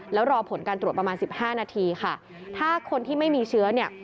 แล้วรอผลการตรวจประมาณสิบห้านาทีค่ะถ้าคนที่ไม่มีเชื้อเนี่ย